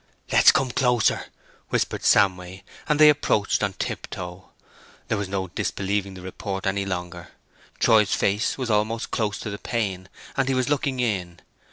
"Let's come closer," whispered Samway; and they approached on tiptoe. There was no disbelieving the report any longer. Troy's face was almost close to the pane, and he was looking in.